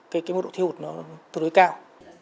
cái mức độ thiếu hụt nó tối đối cao